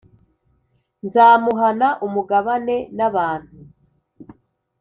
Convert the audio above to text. nzamuhana umugabane n abantu